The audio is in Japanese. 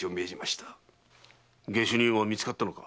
下手人は見つかったのか？